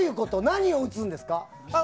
何を打つんですか？